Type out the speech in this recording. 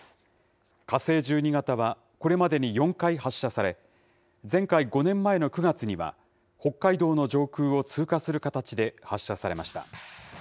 火星１２型は、これまでに４回発射され、前回・５年前の９月には、北海道の上空を通過する形で発射されました。